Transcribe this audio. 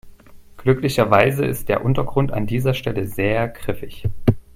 Glücklicherweise ist der Untergrund an dieser Stelle sehr griffig.